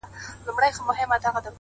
امیر ږغ کړه ویل ستا دي هم په یاد وي!.